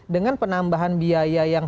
dengan penambahan biaya yang